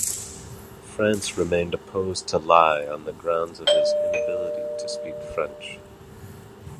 France remained opposed to Lie on the grounds of his inability to speak French.